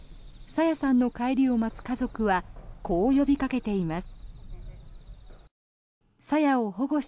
朝芽さんの帰りを待つ家族はこう呼びかけています。